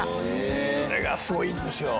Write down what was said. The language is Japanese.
「これがすごいんですよ」